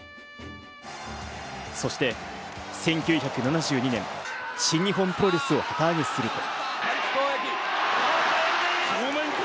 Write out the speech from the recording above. そして１９７２年、新日本プロレスを旗揚げすると。